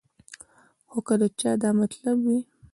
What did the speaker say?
خو کۀ د چا دا مطلب وي